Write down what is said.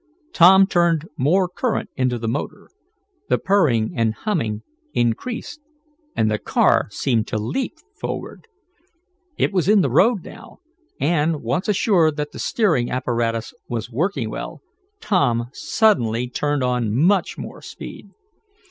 Tom turned more current into the motor. The purring and humming increased, and the car seemed to leap forward. It was in the road now, and, once assured that the steering apparatus was working well, Tom suddenly turned on much more speed.